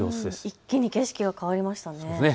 一気に景色が変わりましたね。